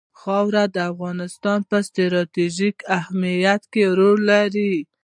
خاوره د افغانستان په ستراتیژیک اهمیت کې رول لري.